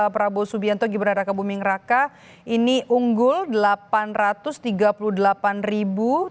prabowo subianto gibran raka buming raka ini unggul delapan ratus tiga puluh delapan ribu